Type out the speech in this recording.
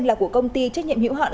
là của công ty trách nhiệm hữu hạn